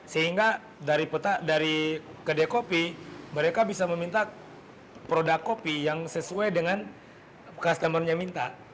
sehingga dari kedai kopi mereka bisa meminta produk kopi yang sesuai dengan customer nya minta